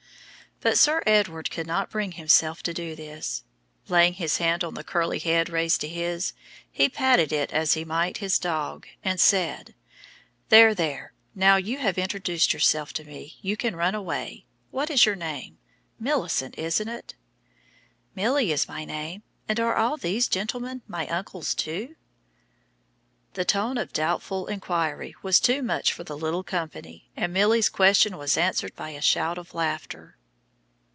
But Sir Edward could not bring himself to do this. Laying his hand on the curly head raised to his, he patted it as he might his dog, and said, "There, there! Now you have introduced yourself to me, you can run away. What is your name? Millicent, isn't it?" "Milly is my name. And are all these gentlemen my uncles too?" The tone of doubtful inquiry was too much for the little company, and Milly's question was answered by a shout of laughter.